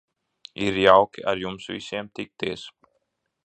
Ir jauki ar jums visiem tikties.